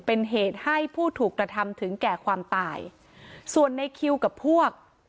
เป็นเหตุให้ผู้ถูกกระทำถึงแก่ความตายส่วนในคิวกับพวก